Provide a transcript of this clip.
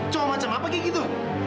cuma macam apa kayak gitu